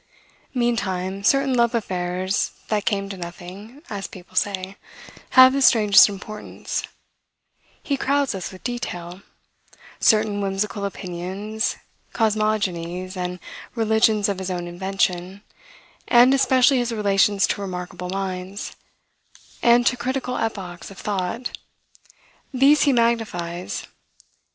Meantime, certain love affairs, that came to nothing, as people say, have the strangest importance: he crowds us with detail: certain whimsical opinions, cosmogonies, and religions of his own invention, and, especially his relations to remarkable minds, and to critical epochs of thought: these he magnifies.